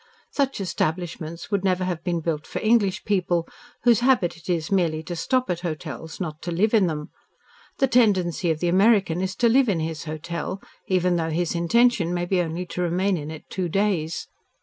Such establishments would never have been built for English people, whose habit it is merely to "stop" at hotels, not to LIVE in them. The tendency of the American is to live in his hotel, even though his intention may be only to remain in it two days.